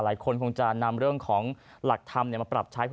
หลายคนคงจะนำเรื่องของหลักธรรมเนี่ยมาปรับใช้